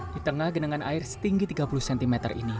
di tengah genangan air setinggi tiga puluh cm ini